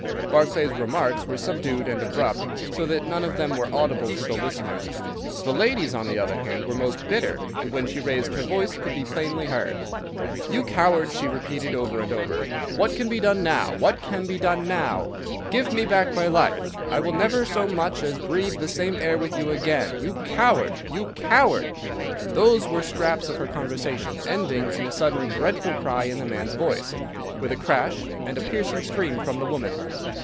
Barclay's remarks were subdued and abrupt, so that none of them were audible to the listeners. The lady's, on the other hand, were most bitter, and when she raised her voice could be plainly heard. 'You coward!' she repeated over and over again. 'What can be done now? What can be done now? Give me back my life. I will never so much as breathe the same air with you again! You coward! You coward!' Those were scraps of her conversation, ending in a sudden dreadful cry in the man's voice, with a crash, and a piercing scream from the woman.